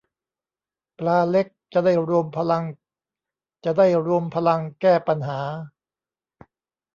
ปลาเล็ก จะได้รวมพลังจะได้รวมพลังแก้ปัญหา